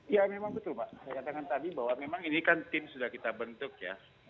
ya memang betul pak saya katakan tadi bahwa memang ini kan tim sudah kita bentuk ya